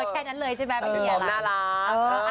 แค่นั้นเลยใช่ไหมไม่มีอะไรน่ารัก